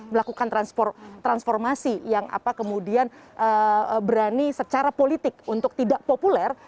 melakukan transformasi yang kemudian berani secara politik untuk tidak populer